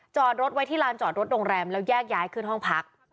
จอดรถไว้ที่ลานจอดรถโรงแรมแล้วแยกย้ายขึ้นห้องพัก